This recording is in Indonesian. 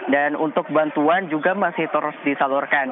dan untuk bantuan juga masih terus disalurkan